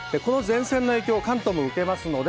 前線の影響を関東も受けます。